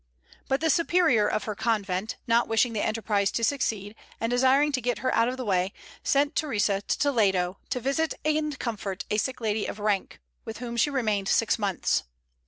But the superior of her convent, not wishing the enterprise to succeed, and desiring to get her out of the way, sent Theresa to Toledo, to visit and comfort a sick lady of rank, with whom she remained six months.